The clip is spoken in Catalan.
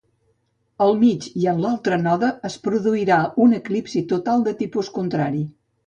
Al mig i en l'altre node es produirà un eclipsi total de tipus contrari.